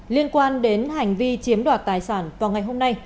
liên quan đến hành vi chiếm đoạt tài sản vào ngày hôm nay